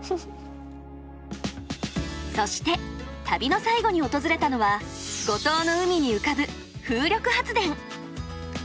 そして旅の最後に訪れたのは五島の海に浮かぶ風力発電。